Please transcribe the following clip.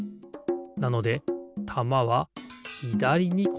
なのでたまはひだりにころがる。